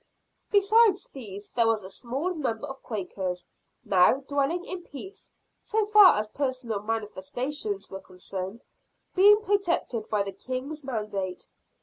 Besides these, there was a small number of Quakers, now dwelling in peace, so far as personal manifestations were concerned, being protected by the King's mandate.